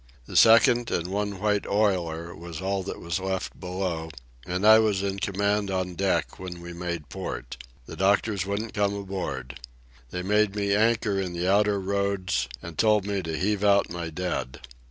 The second and one white oiler was all that was left below, and I was in command on deck, when we made port. The doctors wouldn't come aboard. They made me anchor in the outer roads and told me to heave out my dead.